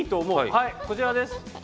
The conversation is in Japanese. はいこちらです。